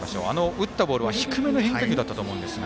打ったボールは低めの変化球だったと思うんですが。